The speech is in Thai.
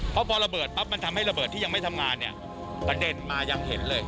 เพราะพอระเบิดปั๊บมันทำให้ระเบิดที่ยังไม่ทำงานเนี่ยกระเด็นมายังเห็นเลย